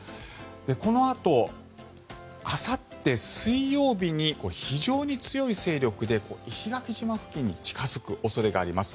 このあとあさって水曜日に非常に強い勢力で石垣島付近に近付く恐れがあります。